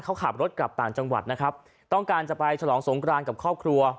เขาขับรถกลับต่างจังหวัดนะครับต้องการจะไปฉลองสงกรานกับครอบครัว